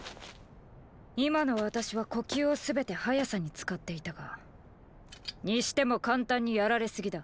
今の私は呼吸を全て“速さ”に使っていたがーーにしても簡単にやられすぎだ。